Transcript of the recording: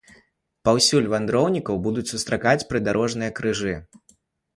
Паўсюль вандроўнікаў будуць сустракаць прыдарожныя крыжы.